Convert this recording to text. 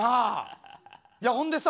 いやほんでさ